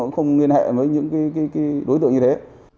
không liên hệ với những đối tượng như thế